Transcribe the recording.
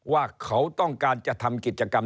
ว่าเขาต้องการจะทำกิจกรรม